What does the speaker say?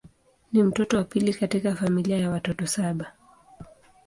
Ni mtoto wa pili katika familia ya watoto saba.